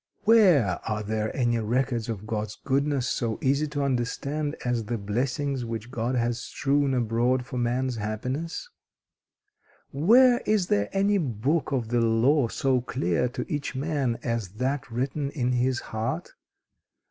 Where are there any records of God's goodness so easy to understand as the blessings which God has strewn abroad for man's happiness? Where is there any book of the law so clear to each man as that written in his heart?